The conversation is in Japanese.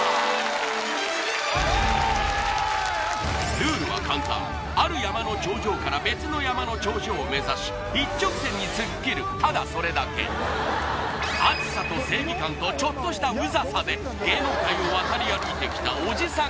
ルールは簡単ある山の頂上から別の山の頂上を目指し一直線に突っ切るただそれだけ熱さと正義感とちょっとしたウザさで芸能界を渡り歩いてきたおじさん